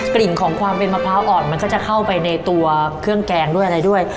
กลิ่นของความเป็นมะพร้าวอ่อนมันก็จะเข้าไปในตัวเครื่องแกงด้วยอะไรด้วย